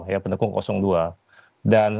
ya pendukung dua dan